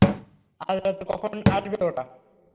আজরাতে কখন আসবে ওরা?